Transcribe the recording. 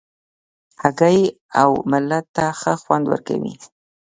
هګۍ اوملت ته ښه خوند ورکوي.